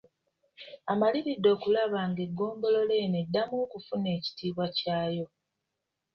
Amaliridde okulaba ng'eggombolola eno eddamu okufuna ekitiibwa kyayo.